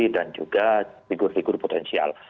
dan juga figur figur potensial